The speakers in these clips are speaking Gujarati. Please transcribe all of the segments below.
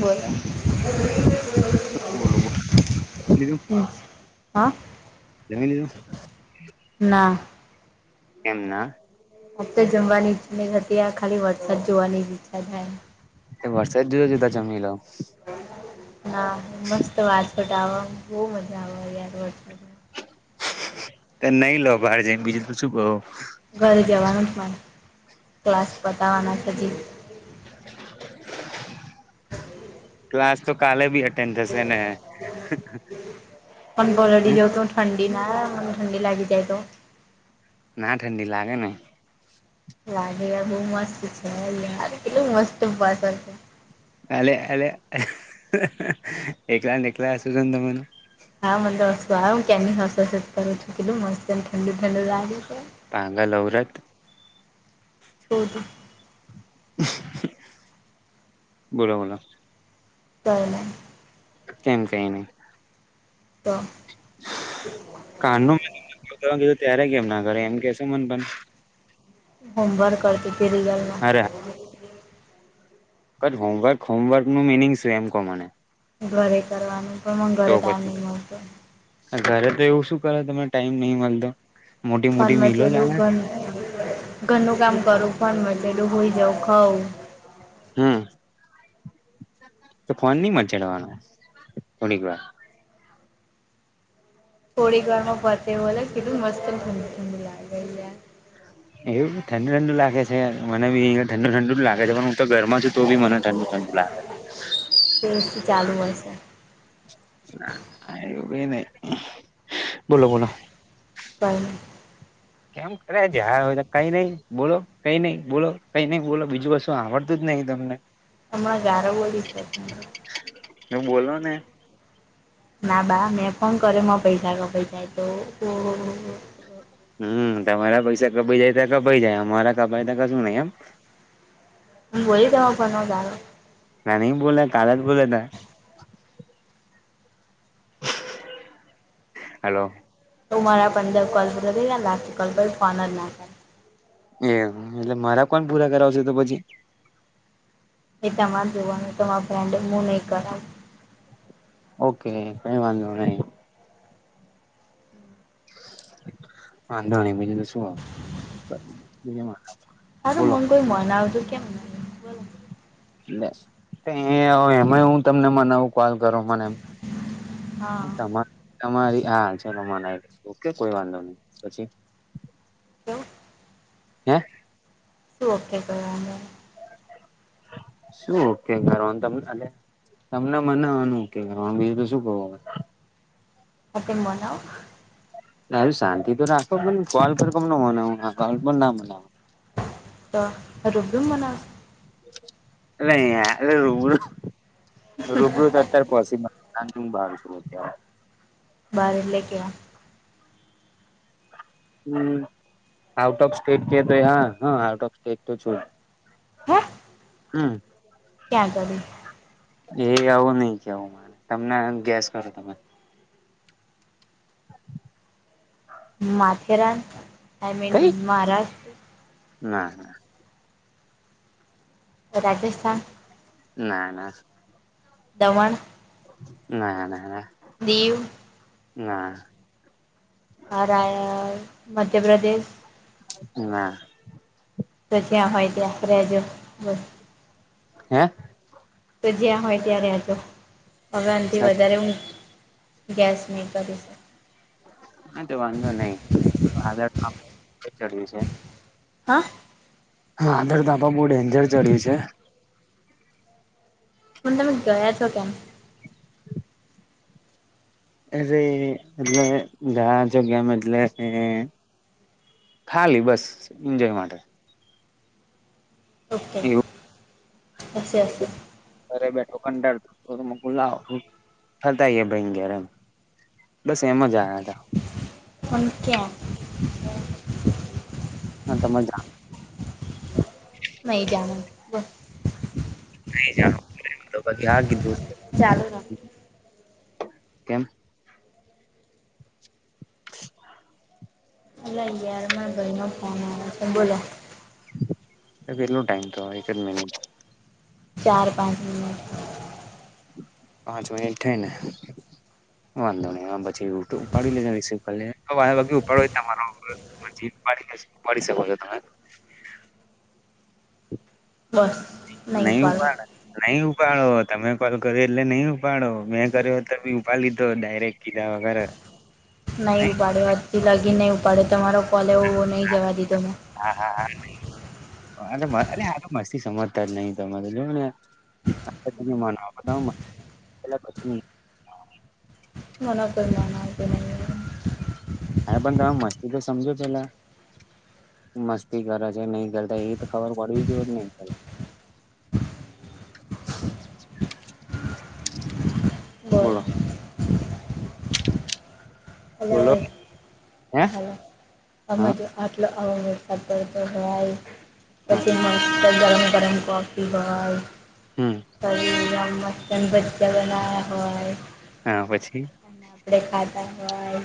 બોલો શું [unintelligible] હા. જમી લીઘુ? ના કેમ ના? મન તો જમવાની [unintelligible] આ ખાલી વરસાદ જોવાની જ ઈચ્છા થાય. તે વરસાદ જુદા-જુદા જમી લો. હા. મસ્ત વાછટ આવા, બહુ મજા આવે યાર વરસા તો નઈ લો બહાર જઈન, બીજું તો શું કહો. ઘરે જવાનું જ છ મને. ક્લાસ પતાવવાના છે હજી. [inaudible] [inaudible] ક્લાસ તો કાલે ભી હ [unintelligible] ઠંડી માં મને ઠંડી લાગી જાય તો. ના ઠંડી લાગે ને. લાગે, આ બહુ મસ્ત છે યાર, કેવું મસ્ત [unintelligible] છે. અલે-અલે, એકલા ન એકલા [unintelligible] હા. મન તો હસુ આયવું, ક્યારની હસ-હસ જ કરું છું, કેટલું મસ્તને ઠંડુ-ઠંડુ લાગે છે. પાગલ ઔરત. છો તું બોલો-બોલો. કંઈ નહિં. કેમ કંઈ નહીં? તો [unintelligible] ત્યારે કેમ ના કરે, એમ કેશે મન તમ. હોમવર્ક કરતી તી રિયલમાં અરે બટ હોમવર્ક હોમવર્કનું મિનિંગ સેમ કોમન હે. ઘરે કરવાનું પણ મન ઘરે ટાઈમ પછી નહીં મળતો. ઘરે તો એવું શું કરે તમે ટાઈમ નહીં મલતો? મોટી ફોન મોટી મિલો મચેલું ચાલે? ઘર ઘરનું કામ કરું પણ મજે થી હુંઈ જવું, ખઉં. હમ્મ. તો ફોન ની મચડવાનો, થોડીક વાર. થોડી ઘરમાં પતે બોલે કેટલું મસ્ત ઠંડું-ઠંડું લાગે યાર. એવું છે. ઠંડુ-ઠંડુ લાગે છે? મને બી અહિયાં ઠંડ-ઠંડુ જ લાગે છે [unintelligible] તો ઘરમાં છું તો બી મને ઠંડુ-ઠંડુ લાગે છે. તો એસી ચાલુ હશે [unintelligible] બોલો-બોલો. કંઈ નહીં. કેમ કરે જ્યારે હોય કંઈ નહીં, બોલો, કંઈ નહીં, બોલો, કંઈ નહીં, બોલો બીજું કશ શું આવડતું જ નહીં તમને. હમણાં ગાળો બોલીશ પછી હાંભળો. તો બોલો ને. ના બા, મેં ફોન કર્યો, માર પૈસા કપાઈ જાય તો, તો. હમ્મ. તમારા પૈસા કપાઈ જાય તા કપાઈ જાય, અમારા કપાઈ તા કશું નહી એમ. હું બોલી તમારા ફોનમાં ગાળો? ના નહીં [unintelligible] કાલે જ બોલ્યા તા. હલો. તું મારા પંદર કોલ પૂરા થઈ જા ના, કલ પછી ફોન જ ના કરે. એમ. એટલે મારા કોન પૂરા કરાવશે તો પછી? એ તમારે જોવાનું. તમાર [unintelligible] હું નહીં કરાવું. ઓકે. કંઈ વાંધો નહી. વાંધો નહીં, બીજું તો શું હવે. [unintelligible] હારું મન કોઈ મનાવતુ કેમ નહીં? લે. એ હવે એમાંય હું તમને મનાવું? કોલ કરો મને હા એમ તમે તમારી હા ચલો મને ઓકે કોઈ વાંધો નહી પછી [unintelligible] હે શું ઓકે કરવાનું હ શું ઓકે કરવાનું તમને ખાલી તમને મનાવાનું ઓકે કરવાનો બીજું તો શું કવું. આ તો મનાવો. સારું શાંતિ તો રાખો પણ કોલ પર કમ ના મનાવું હા કોલ પર ના મનાવ. તો રૂબરૂ મનાવશો. અલા એ એટલે રૂબરૂ રૂબરૂ તો અતારે પોસિબલ બહાર છું અત્યારે બહાર એટલે ક્યાં? હમ આઉટ ઓફ સ્ટેટ કે તો હા હ આઉટ ઓફ સ્ટેટ તો છું. હા હા ક્યાં અગાડી? એ આવું નઈ કેવું મારે તમને ગેસ કરો તમે. માથેરાન આઈ મીન કઈ મહારાષ્ટ્ર. ના રાજસ્થાન ના ના દમણ ના ના ના દીવ ના. અરાય મધ્યપ્રદેશ ના તો જ્યાં હોય ત્યાં રહેજો બસ. હે તો જ્યાં હોય ત્યાં રજો હવે આથી સાચું વધારે હું ગેસ નહીં કરીશ. હા તો વાંધો નહી હ ચડ્યું છે. હા વાદળ તો આપા બહુ ડેન્જર ચડ્યું છે. હું તમે ગયા છો કેમ? અરે એટલે ઘયા છો કેમ એટલે. ખાલી બસ એન્જોય માટે. ઓકે એવું આશેશે ઘરે બેઠો કંટાળતો મુકું લાવ ફરતા ભાઈ ઘરેમ બસ એમ જ આવ્યા હતા. પણ ક્યાં? [inaudible] હ તમાર જા નહી જાણવું બસ. ન જાણ હ દું ચાલ રાખ કેમ? [inaudible] અલા યાર માં ભાઈ નો ફોન આયો છે બોલો કેટલો ટાઈમ તો એક જ મિનિટ ચાર પાંચ મિનટ પાંચ મિનિટ થાયને વાંધો નહી પછી ઉપાડી લઈને રિસીવ કરી લે વા ઉપડ તમારો. પછીડી પડી શકો છો તમે. બસ નહીં નું ઉપાડો પણ નહી ઉપાડો તમે કોલ કર્યો એટલે નહી ઉપાડો મેં કર્યો તો બી ઉપાડ લીધો ડાયરેક્ટ કીધ વગર નહીં નહી ઉપાડે હથી લાગી નહીં ઉપાડે તમારો કોલે એવવો નહી જવા દીધો મેં. હા હા હા અરે આ તો મસ્તી સમજતા જ નહી તોરે જો ને. ત મ બધા પછી. વક ના હા પણ તમે મસ્તી તો સમજો પેલા. મસ્તી કરે છે નહી કરતા એ તો ખબર પડવી જોઈએ નહી કરે. બોલો હલો બોલોલો ભાઈ હે. હા આજ આટલો વરસાદ પડતો હા પછી ત જ ગરમ કફી હમ બ ચન ભચા બનાવ્યા હોય. હા પછી. અને આપણે ખાધા હોય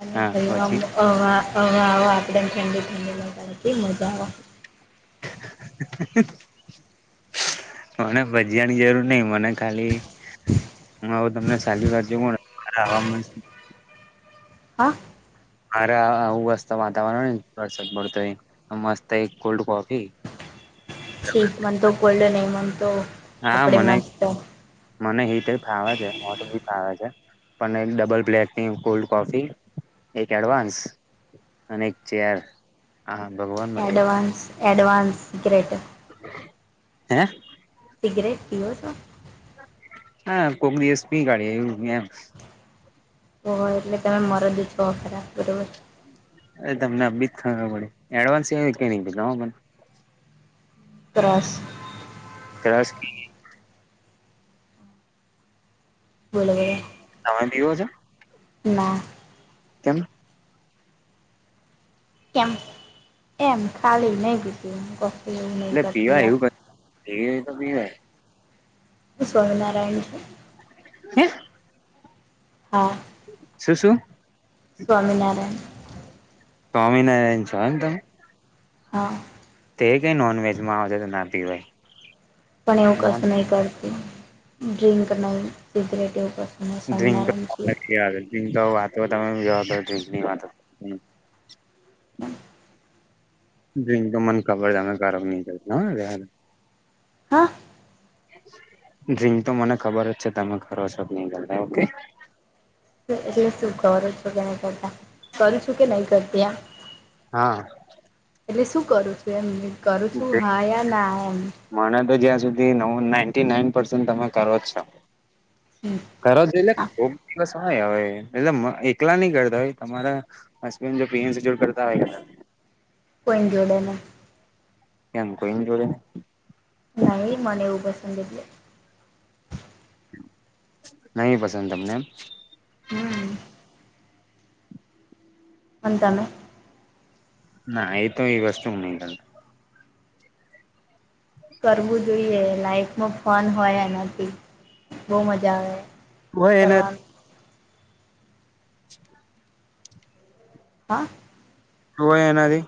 અને હા ઘર પછી હ આવ આપેમ ઠંડી ઠંડી લથી મજા આવે. [inaudible] મને ભજયાની જરૂર નઈ મને ખાલી હું આવવે તમને સાલીું રાજ્ય પણ આવા મળ. હા અરે હુંસ્ત વાતાવરણ વસાદ પડતો મસ્ત એક કોલ્ડ કોફી ઠીક મનતો કોલ્ડ ન એનતો હા મને મને રતે ફાવે છે હો ફાવ છે. અને ડબલ પ્લેટની કોલ્ડ કોફી એક એડવાન્સ અનેક ચેાર હા ભગવાન. એડવાન્સ એડવાન્સ સીગ્રેટ હે સિગરેટ પીઓ છો. હા કોક દિવસ પી કાઢીએ એવુંમ. હોય એટલે તમે મરો દ છો ખરાબ બરોબર. અ તમને હ બી ખ મળ એડવાન્સ એ કે બીધ ત્રસ તસ બોલગ તમે દીવો છો. ના કેમ કેમ એમ ખાલી નહીં બીજું એું કહ એટલે પીવાય એવું ક પી તો પીવાય સ્વામીનારાયણજી હમ હા શું શું સ્વામીનારાયણ સ્વામીનારાયણ સંધમ હા. તે કઈ નોનવેજમાં આવ તો નાતી હોય. પણ એવું કશું નહી કરતું ડ્રિંક નહી સિગરેટ એવું કશુ ડ્રિંક તો [inaudible] વાતો તમે જોની વાતો હ ડ્રિક તો મન ખબર હાનિકારક નહી થાય લેવા દે. હા. હ [inaudible] ડ્રીક તો મને ખબર જ છે તમે કરો છો નહી કરતા ઓકે. એટલે શું કરો છો કે નહી કરતા કરું છું કે નહી કરતી આ. હા. એટલે શું કરું છું એમ કરું છું હા યા ના એમ. મને તો જ્યાં સુધી નવ નાઈન્ટી નાઈન પસેન્ટ તમે કરો જ છો. હમ. કર જો એટલે કોક દિવસ હોય હવે એટલે એકલા નઈ કરતા હો તમારા હસબડ જો પીએન જોડ કરતા હોય. કોઈ જોડે ના. એમ કોઈ જોડે નઈ. ન ઇ મને એવું પંસદ એટલે. નહી પસંદ તમને એમ. હમ. અન તને. ના એ તો એ વસ્તુ નઈં તા. હ [inaudible] કરવું જોઈએ લાઈફમાં ફન હોય એનાથી બહુ મજા આવે. હોય એના. કરવાનું. [inaudible] હા. તું એનાથી.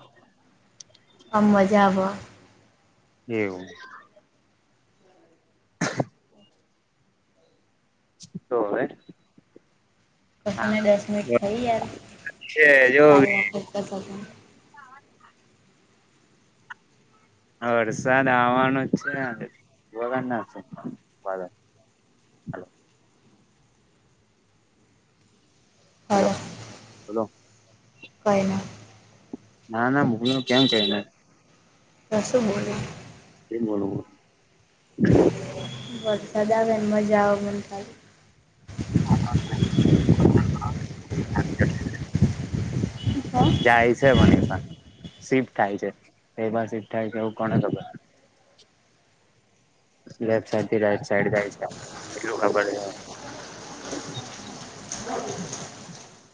આમ મજા આવ. એવું. [inaudible] તોવે. પ તને દસ મિનિટ થઈ યાર વચ્ચે જો [inaudible] ચારી વખત વરસાદ આવવાનો જ છે અને વગરના છે. હલો. હેલો હલો બોલો કાય ના. ના ના મુગલો કેમ કે એને. કશું બોલે. કેમ બોલ ઉ. વરસાદ આવે મજા આવે ને. હા હા. હા. જાય છે મનીષા શિફ્ટ થાય છે કેમા શિફ્ટ થાય છે એવું કોને ખબર. લેફ્ટ સાઈડ થી રાઈટ સાઈડ જાય છે એટલું ખબર છે. [inaudible]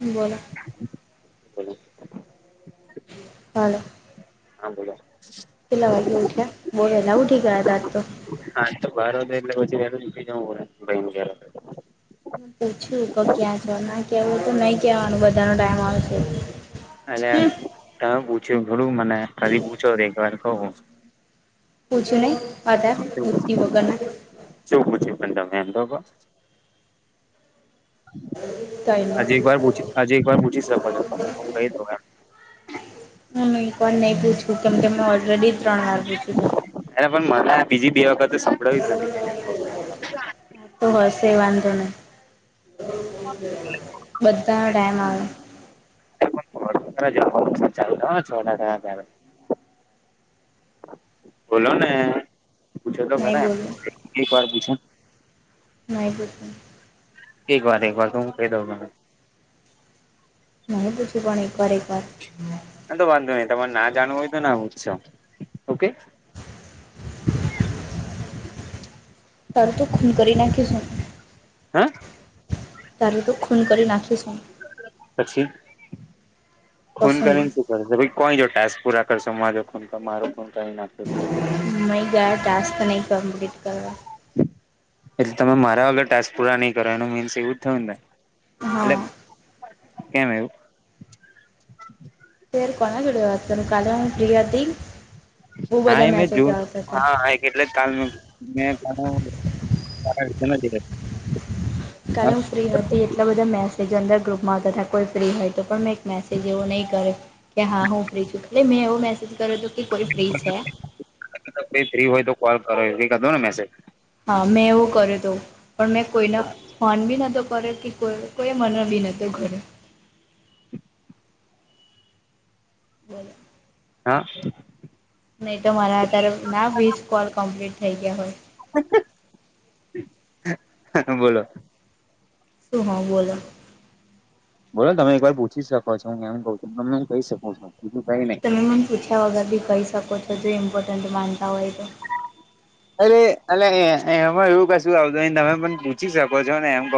બોલો. હલો. હા બોલો. કેલા વાગે ઉઠ્યા બઉ વેલા ઊઠી ગયા તા આજ તો. હા તો બાર તો એટલે વછી જ બને ગ હ પૂછું ક ક્યાં છો ના કેવું તું નહી કેવાનું બધા ન ટાઈમ આવશે. હલે હમ તમે પૂછ્યું ઘરું મને કાલી પૂછો દેખવાર ક પૂજને પદ ઉતઓગના જો પૂછી પણ તમે એમ તો હજ એક નહી. વાર પૂછી હજે એક વાર પૂછી શકો છો તમા હ કઈ દ હ એક વાર નહી પૂછું કેમ કે ઓલરેડી ત્રણ વાર પૂછ્યું છે. અરે પણ મને બીજી બે વખત સાંભળાવી જ નથી. કઉ છું હું હ તો હશે વાંધો નહી. બધાનો ટાઈમ આવે. છ બોલો ને પૂછો તો નહીં ઘરે બોલવું એક વાર પૂછે નાબ. એક વાર એક વાર તો હું કહી દઉંને. ના પૂછું પણણી એક વા એક વાર. ના તો વાંધો નઈ તમારે ના જાણવું હોય તો ના ઉત્સ ઓકે. તારું તો ખૂન કરી નાખીશું હે. તાર તોું ખૂન કરી નાખીશું. પછી ફોન કશું કરીને ભ કોઈ જો ટાસ્ક પૂરા કરશોજો ખ મારો ખ ક નાખે. મૈ ગા ટાસ્ક નહીં કમપ્લીટ કરવા એટલે તમે મારા વગલે ટાક પૂરા નઈ કરો એનું મીન્સ એવું જ થયું ને એટ હા કેમ એવું? પાર કોના જોડ્યો હતો કાલે હ પ્રિયા હતી બહુ હા બધા એ મે જો મેસેજ આવતા હતા હા. એટલે કાલ મે નથી ગરમ ફ્રી હતી એટલા બધા મે જનંદર ગ્રુપમાં તથા કોઈ ફ્રી હોય તો પણ મેં એક મેસેજ એવો નહીં કરે કે હા હું ફ્રી છું એટલે મેં એવો મેસેજ કર્યો હતો કે કોઈ ફ્રી છે થ્રી હોય તો કોલ કરો કર દો ને મેસેજ હા મેં એવો કર્યો હતો. પણ મેં કોઈના મન ભી નતો કરે કે કોઈ મન બી નતો કરે બોલો. હા. નહી તો મારા અત્યારે ના વીસ કોલ કમ્પ્લીટ થઈ ગયા હોય. બોલો. તો હા બોલો. બોલો તમે એક વાર પૂછી શકો છો હું કેમ કઉ છું તમેું કહી શક છુંું કઈ નહી. તને પૂછ્યા વગર બી કહી શકો છો જો ઇમ્પોર્ટન્ટ માનતા હોય તો. અરે અ એમાં એવું કશું આવતું તમે પણ પૂછી શકો છો ને એમ ક